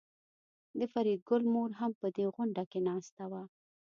د فریدګل مور هم په دې غونډه کې ناسته وه